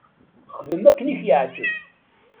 Xdem akken i k-yeɛǧeb.